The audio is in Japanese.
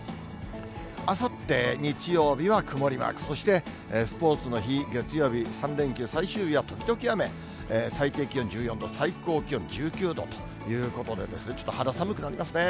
あさって日曜日は曇りマーク、そして、スポーツの日、月曜日、３連休最終日は時々雨、最低気温１４度、最高気温１９度ということで、肌寒くなりますね。